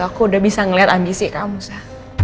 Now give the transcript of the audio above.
aku udah bisa ngelihat ambisi kamu sa